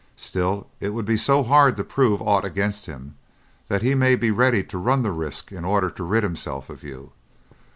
Still, it would be so hard to prove aught against him, that he may be ready to run the risk in order to rid himself of you.